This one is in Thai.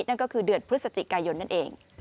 นั่นก็คือเดือนพฤศจิกายนนั่นเอง